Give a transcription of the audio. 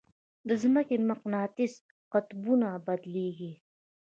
د ځمکې مقناطیسي قطبونه بدلېږي.